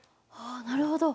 あなるほど。